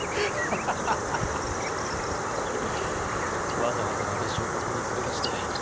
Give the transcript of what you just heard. わざわざ私をここに連れ出して。